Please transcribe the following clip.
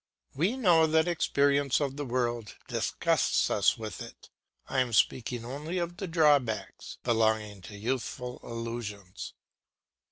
We know that experience of the world disgusts us with it; I am speaking only of the drawbacks belonging to youthful illusions.